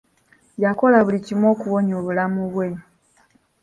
Yakola buli kimu okuwonya obulamu bwe.